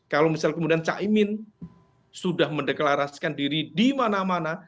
kalau misal kemudian caimin sudah mendeklarasikan diri di mana mana